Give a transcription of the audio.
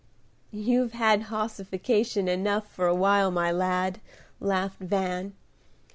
"You've had hossification enough for one while, my lad," laughed Van.